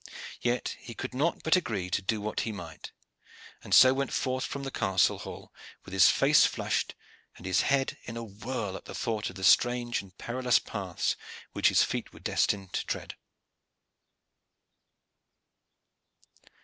Yet he could but agree to do what he might, and so went forth from the castle hall with his face flushed and his head in a whirl at the thought of the strange and perilous paths which his feet were destined to tread.